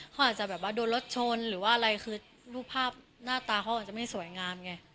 เขาอาจจะแบบว่าโดนรถชนหรือว่าอะไรคือรูปภาพหน้าตาเขาอาจจะไม่สวยงามไง